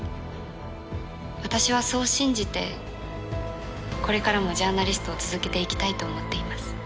私はそう信じてこれからもジャーナリストを続けていきたいと思っています。